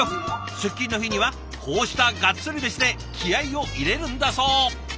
出勤の日にはこうしたガッツリ飯で気合いを入れるんだそう。